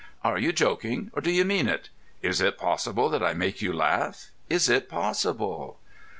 "Are you joking, or do you mean it? Is it possible that I make you laugh? Is it possible?"